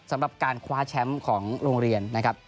สำหรับการคว้าแชมป์ของโรงเรียนนะครับ